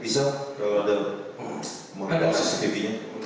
bisa kalau ada mengadakan cctv nya